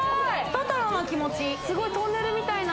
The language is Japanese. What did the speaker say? トトロの気持ち。